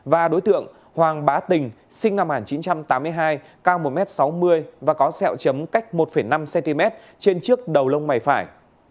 và đối tượng hoàng bá tình sinh năm một nghìn chín trăm tám mươi hai cao một m sáu mươi và có sẹo chấm cách một năm cm trên trước đầu lông mày phải